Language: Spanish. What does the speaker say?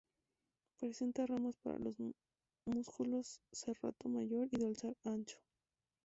Presenta ramas para los músculos serrato mayor y dorsal ancho.